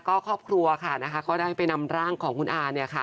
ก็ครอบครัวค่ะก็ได้ไปนำร่างของคุณอา